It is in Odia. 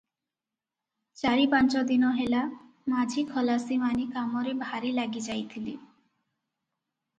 ଚାରି ପାଞ୍ଚ ଦିନ ହେଲା ମାଝି ଖଲାସିମାନେ କାମରେ ଭାରି ଲାଗି ଯାଇଥିଲେ ।